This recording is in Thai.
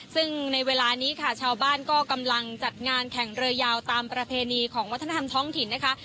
ซึ่งในเวลานี้ค่ะชาวบ้านก็กำลังจัดงานแข่งเรือยาวตามประเพณีของวัฒนธรรมท้องถิ่นนะคะ